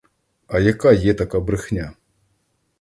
А яка є така брехня?